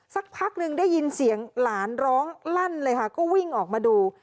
สักพักหนึ่งได้ยินเสียงหลานร้องลั่นเลยค่ะก็วิ่งออกมาดู